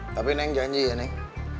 tapi neng janji ya neng